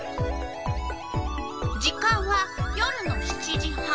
時間は夜の７時半。